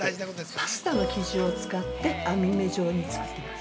パスタの生地を使って網目状に作ってます。